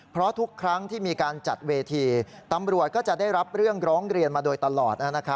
เพราะทุกครั้งที่มีการจัดเวทีตำรวจก็จะได้รับเรื่องร้องเรียนมาโดยตลอด